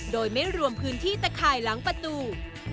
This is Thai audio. โดยไม่รวมพื้นที่ตะข่ายหลังประตู